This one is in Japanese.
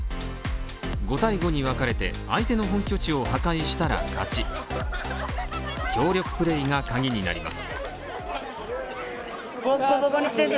５対５にわかれて、相手の本拠地を破壊したら勝ち、協力プレイが鍵になります。